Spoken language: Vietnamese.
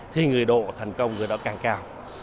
thì người độ thành công người đó càng cao